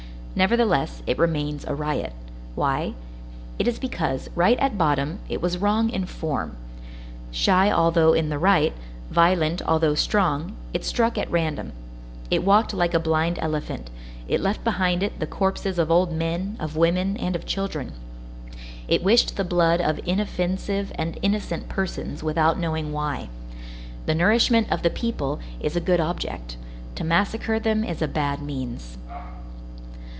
Nevertheless, it remains a riot. Why? It is because, right at bottom, it was wrong in form. Shy although in the right, violent although strong, it struck at random; it walked like a blind elephant; it left behind it the corpses of old men, of women, and of children; it wished the blood of inoffensive and innocent persons without knowing why. The nourishment of the people is a good object; to massacre them is a bad means.